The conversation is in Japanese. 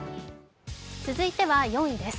続いては４位です。